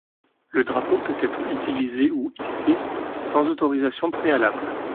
Le drapeau peut être utilisé ou hissé sans autorisation préalable.